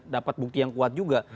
dapat bukti yang kuat juga